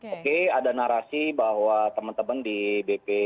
oke ada narasi bahwa teman teman di bp